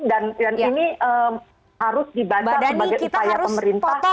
dan ini harus dibaca sebagai upaya pemerintah